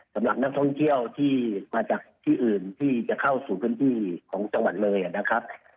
สำหรับนักท่องเที่ยวที่มาจากที่อื่นที่จะเข้าสู่พื้นที่ของจังหวัดเลยนะครับ